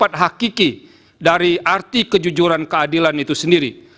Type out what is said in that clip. dan itu adalah sesuatu yang bersifat hakiki dari arti kejujuran keadilan itu sendiri